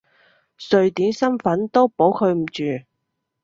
瑞典身份都保佢唔住！